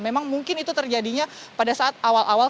memang mungkin itu terjadinya pada saat awal awal